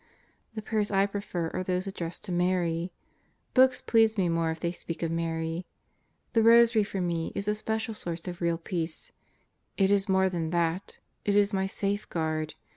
The prayers I prefer are those addressed to Mary. Books please me more if they speak of Mary. The rosary for me is a special source of real peace. It is more than that; it is my safeguard.